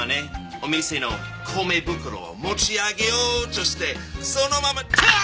お店の米袋を持ち上げようとしてそのままターッ！